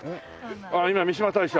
あっ今三嶋大社。